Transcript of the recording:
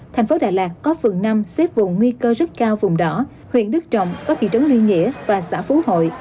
thành phố đà lạt có phường năm xếp vùng nguy cơ rất cao vùng đỏ huyện đức trọng có thị trấn liên nghĩa và xã phú hội